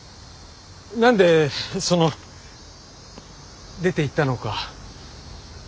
何でその出ていったのか。